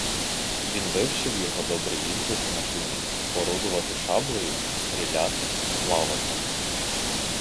Він вивчив його добре їздити на коні, орудувати шаблею, стріляти, плавати.